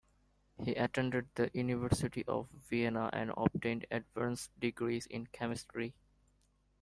He attended the University of Vienna and obtained advanced degrees in chemistry.